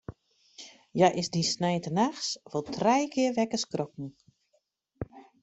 Hja is dy sneintenachts wol trije kear wekker skrokken.